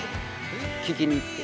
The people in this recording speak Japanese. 聞きに行って。